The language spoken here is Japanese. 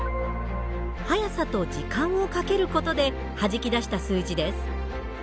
速さと時間をかける事ではじき出した数字です。